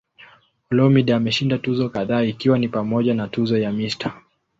Olumide ameshinda tuzo kadhaa ikiwa ni pamoja na tuzo ya "Mr.